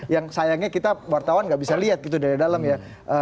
yang sayangnya kita wartawan gak bisa lihat gitu dari dalam ya